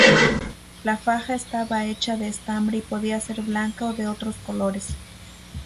La faja estaba hecha de estambre y podía ser blanca o de otros colores.